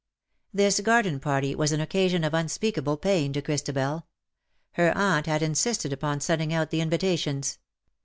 This garden party was an occasion of unspeakable pain to Christabel. Her aunt had insisted upon sending out the invitations.